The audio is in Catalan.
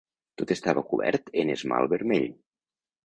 Tot estava cobert en esmalt vermell.